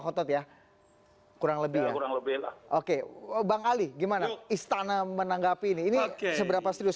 khotot ya kurang lebih ya kurang lebih oke bang ali gimana istana menanggapi ini ini seberapa serius